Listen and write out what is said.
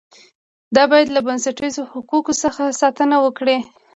دا باید له بنسټیزو حقوقو څخه ساتنه وکړي.